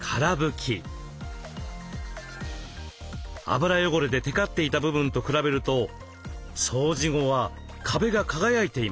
油汚れでてかっていた部分と比べると掃除後は壁が輝いています。